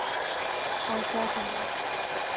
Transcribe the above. اور کیا چاہیے؟